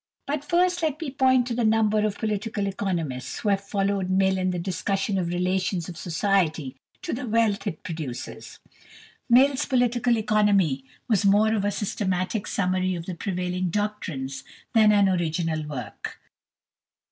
But first let me point to the number of political economists who have followed Mill in the discussion of the relation of society to the "wealth" it produces. Mill's "Political Economy" was more of a systematic summary of the prevailing doctrines than an original work.